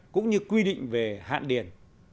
cũng như quy định về hạn điền